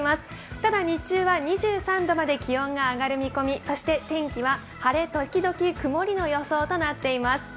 ただ日中は２３度まで気温が上がる見込み、天気は晴れときどき曇りの予想となっています。